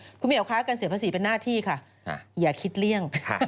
คุณผู้หญิงเอาค้าการเสียภาษีเป็นหน้าที่ค่ะอย่าคิดเลี่ยง